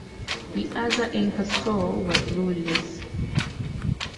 The other anchor store was Luria's.